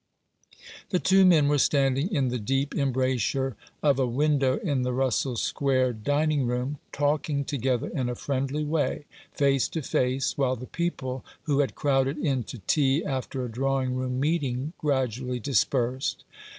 The two men were standing in the deep em brasure of a window in the Russell Square dining room, talking together in a friendly way, face to face, while the people who had crowded in to tea after a drawing room meeting gradually dispersed.